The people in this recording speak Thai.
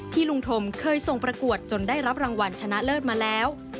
ลุงธมเคยทรงประกวดจนได้รับรางวัลชนะเลิศมาแล้ว